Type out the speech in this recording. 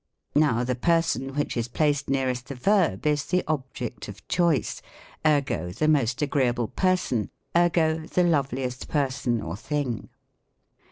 Now the person which is placed nearest the verb is the ob ject of choice ; ergo, the most agreeable person — ergo, the loveliest person or thing.